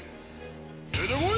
出てこいや！